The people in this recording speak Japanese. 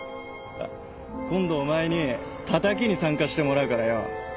今度お前にたたきに参加してもらうからよ。